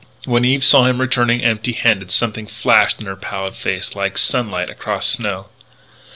When Eve saw him returning empty handed, something flashed in her pallid face like sunlight across snow.